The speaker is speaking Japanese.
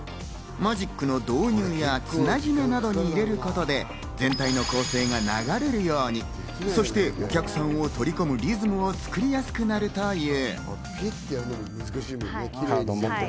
マジックの導入や、繋ぎ目などに入れることで全体の構成が流れるように、そしてお客さんを取り込むリズムを作りやすくなるという。